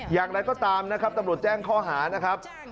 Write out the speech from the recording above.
อย่างไรก็ตามนะครับตำรวจแจ้งข้อหานะครับ